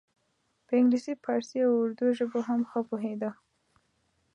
په انګلیسي پارسي او اردو ژبو هم ښه پوهیده.